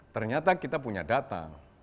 ternyata kita punya data